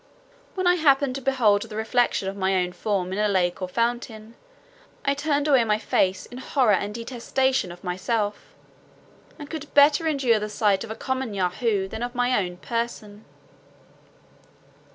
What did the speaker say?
When I happened to behold the reflection of my own form in a lake or fountain, I turned away my face in horror and detestation of myself, and could better endure the sight of a common Yahoo than of my own person.